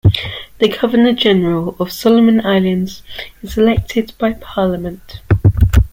The Governor-General of Solomon Islands is elected by parliament.